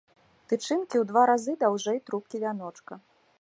Тычынкі ў два разы даўжэй трубкі вяночка.